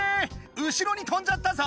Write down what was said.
後ろに飛んじゃったぞ。